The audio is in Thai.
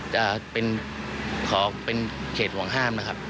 จะเป็นเขตหวังห้ามนะครับ